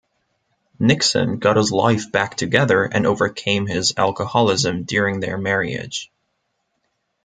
Nixon got his life back together and overcame his alcoholism during their marriage.